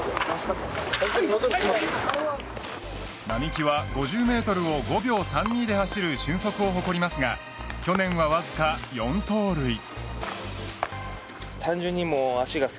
並木は５０メートルを５秒３２で走る俊足を誇りますが去年はわずか４盗塁。